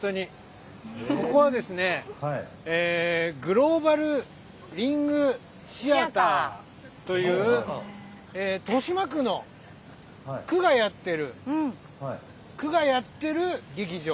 ここはグローバルリングシアターという豊島区の区がやっている劇場。